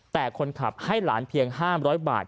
แต่คนขับให้หลานเพียง๕๐๐บาท